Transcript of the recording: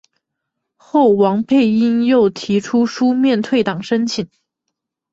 后王佩英又提出书面退党申请。